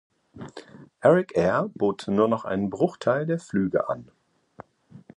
Arik Air bot nur noch einen Bruchteil der Flüge an.